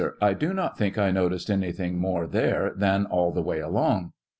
I do not think I noticed anything more there than all the way along.